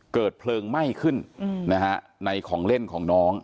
เกิดเพลิงไหม้ขึ้นในของเล่นของน้อง